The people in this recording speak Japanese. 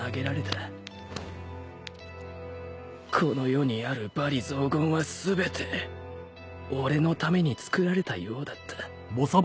この世にある罵詈雑言は全て俺のために作られたようだった